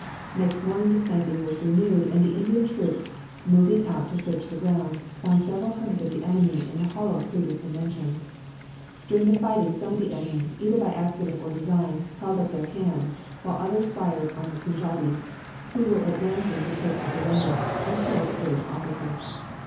Next morning the sniping was renewed and the Indian troops, moving out to search the ground, found several hundred of the enemy in the hollow previously mentioned. During the fighting some of the enemy, either by accident or design, held up their hands, while others fired on the Punjabis, who were advancing to take the surrender, and killed a British officer.